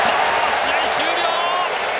試合終了！